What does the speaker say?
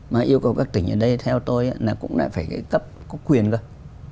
mà yêu cầu các tỉnh ở đây theo tôi là cũng lại phải cái cấp có quyền thôi